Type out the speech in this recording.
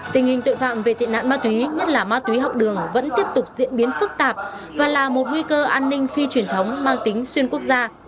tình hình tội phạm về tị nạn ma túy nhất là ma túy học đường vẫn tiếp tục diễn biến phức tạp và là một nguy cơ an ninh phi truyền thống mang tính xuyên quốc gia